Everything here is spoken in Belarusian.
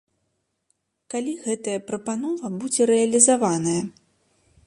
Калі гэтая прапанова будзе рэалізаваная?